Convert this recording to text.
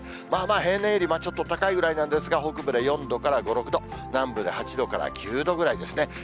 まあまあ平年よりはちょっと高いぐらいなんですが、北部で４度から５、６度、南部で８度から９度ぐらいですね。